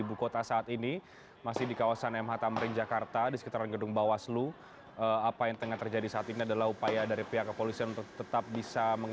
oke titik semakin berkembang